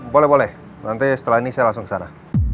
boleh boleh nanti setelah ini saya langsung ke sana